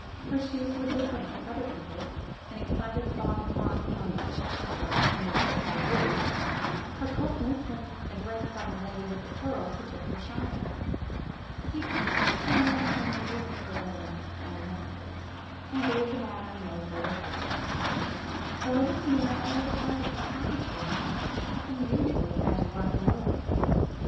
Her shoes were different from other people's; an excited spot of carmine on each cheek bone he mistook for rouge ; her coldness when addressed by the lady with the pearls he took for shyness. He placed her somewhere between a newspaper woman and an actress and gave the matter no further thought; the little scenario was a pleasant surprise for him. He usually had to write them over.